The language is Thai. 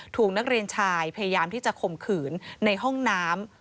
ถูกนักเรียนชายพยายามที่จะข่มขืนในห้องน้ำ